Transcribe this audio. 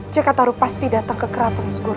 jakataru pasti datang ke keraton skorokidulo